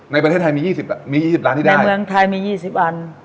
ในประเทศไทยมี๒๐มี๒๐ล้านที่ได้ในเมืองไทยมี๒๐อัน